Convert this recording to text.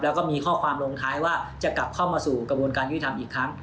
แล้วก็มีข้อความลงท้ายว่าจะกลับเข้ามาสู่กระบวนการยุติธรรมอีกครั้ง